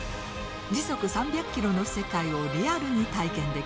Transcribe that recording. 時速３００ｋｍの世界をリアルに体験できます。